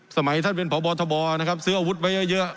สมัยท่านเป็นพบทบนะครับซื้ออาวุธไว้เยอะ